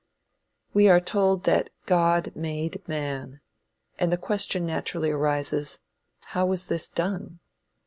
We are told that God made man; and the question naturally arises, how was this done?